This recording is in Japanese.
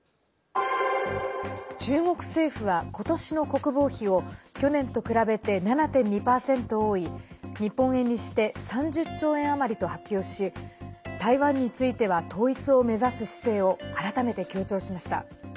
中国政府は、今年の国防費を去年と比べて７．２％多い日本円にして３０兆円余りと発表し、台湾については統一を目指す姿勢を改めて強調しました。